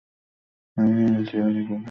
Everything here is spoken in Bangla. আমি হুইল চেয়ারে করে গেলাম।